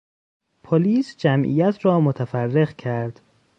پلیس جمعیت را متفرق کرد.